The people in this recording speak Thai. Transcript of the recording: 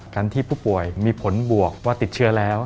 การที่ผู้ป่วยมีผลบวกว่าติดเชื้อแล้ว